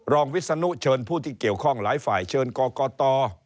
วิศนุเชิญผู้ที่เกี่ยวข้องหลายฝ่ายเชิญกกต